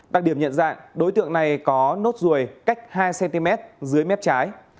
đặc điểm nhận dạng đối tượng này có nốt ruồi cách hai cm dưới mép trái